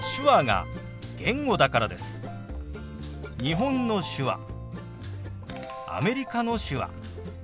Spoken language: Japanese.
日本の手話アメリカの手話